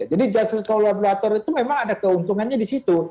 jadi justice kolaborator itu memang ada keuntungannya di situ